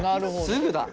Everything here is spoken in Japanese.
すぐだ！